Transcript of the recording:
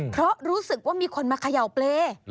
เพราะรู้สึกว่ามีคนมาเขย่าเปรย์